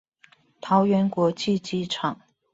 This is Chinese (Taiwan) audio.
桃園國際機場